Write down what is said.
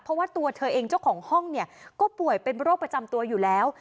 เพราะว่าตัวเธอเองเจ้าของห้องเนี่ยก็ป่วยเป็นโรคประจำตัวอยู่แล้ว